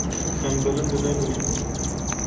Em bilind nebûne.